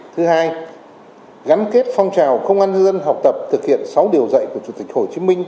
thứ hai gắn kết phong trào công an hơn học tập thực hiện sáu điều dạy của chủ tịch hồ chí minh